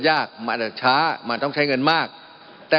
มันมีมาต่อเนื่องมีเหตุการณ์ที่ไม่เคยเกิดขึ้น